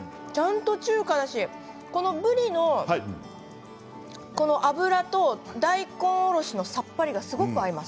このぶりの脂と大根おろしのさっぱりがすごく合います。